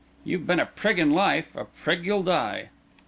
"You've been a prig in life; a prig you'll die."